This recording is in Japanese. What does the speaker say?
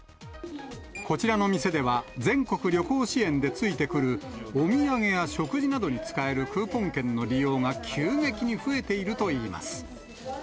こちらの店では、全国旅行支援で付いてくるお土産や食事などに使えるクーポン券の利用が急激に増えているといいます。